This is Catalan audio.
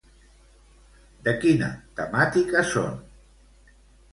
De quina temàtica són?